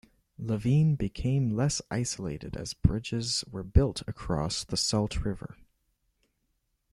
Laveen became less isolated as bridges were built across the Salt River.